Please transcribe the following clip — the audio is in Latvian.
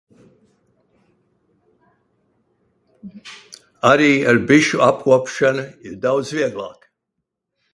Arī ar bišu apkopšanu ir daudz vieglāk.